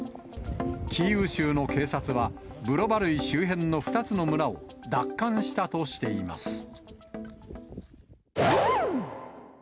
キーウ州の警察は、ブロバルイ周辺の２つの村を奪還したとしています。